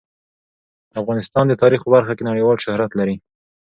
افغانستان د تاریخ په برخه کې نړیوال شهرت لري.